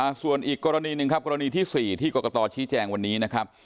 ส่วนอีกกรณีหนึ่งครับกรณีที่สี่ที่กรกตชี้แจงวันนี้นะครับ